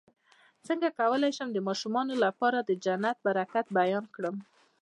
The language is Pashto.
څنګه کولی شم د ماشومانو لپاره د جنت د برکت بیان کړم